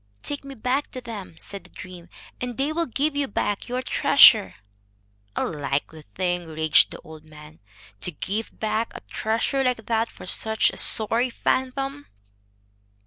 "Take me back to them," said the dream, "and they will give you back your treasure." "A likely thing," raged the old man, "to give back a treasure like that for such a sorry phantom."